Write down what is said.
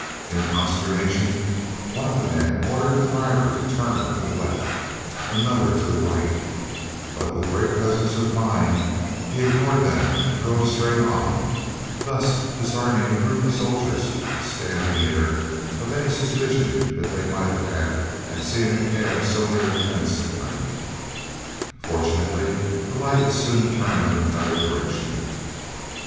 In consternation, one of the men ordered the driver to turn to the left, another to the right, but with great presence of mind he ignored them both, and drove straight on, thus disarming a group of soldiers, standing near, of any suspicions they might have had at seeing a cab so near the fence at night. Fortunately, the light was soon turned in another direction.